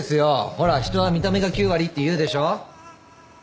ほら人は見た目が９割って言うでしょ？